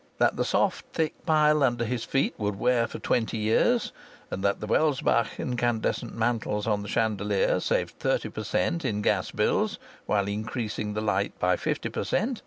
That the soft thick pile under his feet would wear for twenty years, and that the Welsbach incandescent mantles on the chandelier saved thirty per cent, in gas bills while increasing the light by fifty per cent.